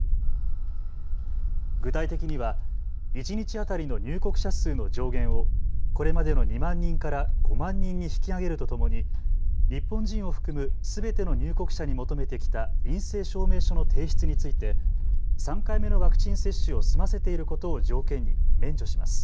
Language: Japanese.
具体的には一日当たりの入国者数の上限をこれまでの２万人から５万人に引き上げるとともに日本人を含むすべての入国者に求めてきた陰性証明書の提出について３回目のワクチン接種を済ませていることを条件に免除します。